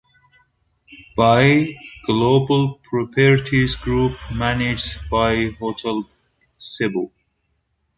Bai Global Properties Group manages Bai Hotel Cebu.